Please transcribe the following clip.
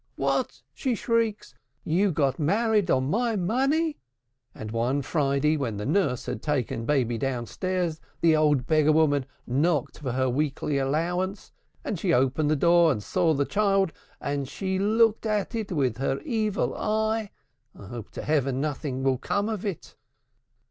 'What!' she shrieked, 'you got married on my money!' And one Friday when the nurse had baby downstairs, the old beggar woman knocked for her weekly allowance, and she opened the door, and she saw the child, and she looked at it with her Evil Eye! I hope to Heaven nothing will come of it."